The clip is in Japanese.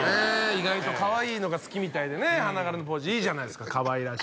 意外とかわいいのが好きみたいでね花柄のポーチいいじゃないですかかわいらしくてね